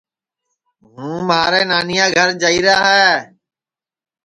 ہوں مھارے نانیا گھر جائیرا ہے